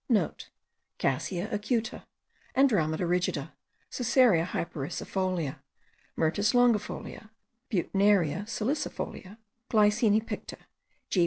(* Cassia acuta, Andromeda rigida, Casearia hypericifolia, Myrtus longifolia, Buettneria salicifolia, Glycine picta, G.